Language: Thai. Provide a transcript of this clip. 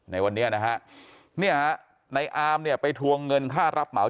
ในวันนี้นะฮะเนี่ยฮะในอามเนี่ยไปทวงเงินค่ารับเหมา